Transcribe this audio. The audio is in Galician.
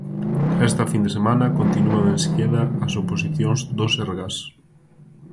Esta fin de semana continúan en Silleda as oposicións do Sergas.